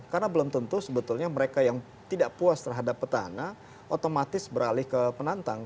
karena belum tentu sebetulnya mereka yang tidak puas terhadap petahana otomatis beralih ke penantang